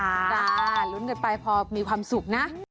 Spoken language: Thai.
จ้าลุ้นกันไปพอมีความสุขนะ